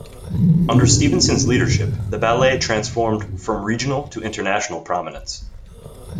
Under Stevenson's leadership, the ballet transformed "from regional to international prominence".